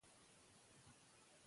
مورنۍ ژبه له پردۍ ژبې نږدې ده.